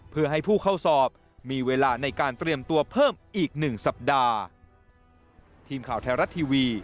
เพื่อให้ผู้เข้าสอบมีเวลาในการเตรียมตัวเพิ่มอีก๑สัปดาห์